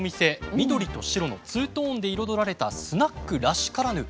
緑と白のツートーンで彩られたスナックらしからぬ不思議な店内。